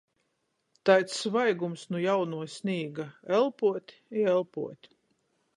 Taids svaigums nu jaunuo snīga. Elpuot i elpuot.